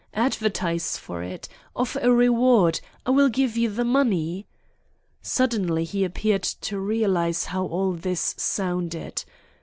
Advertise for it. Offer a reward. I will give you the money." Suddenly he appeared to realize how all this sounded.